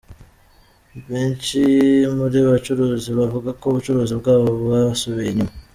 Benshi muri aba bacuruzi bavuga ko ubucuruzi bwabo bwasubiye inyuma.